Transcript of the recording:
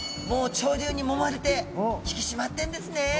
もう潮流に揉まれて引き締まってるんですね！